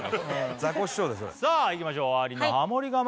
ザコシショウですさあいきましょうあーりんのハモリ我慢